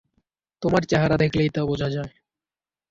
তোমার চেহারা দেখলেই তা বোঝা যায়।